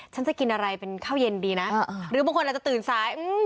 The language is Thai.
ฉันจะกินอะไรเป็นข้าวเย็นดีนะหรือบางคนอาจจะตื่นซ้าย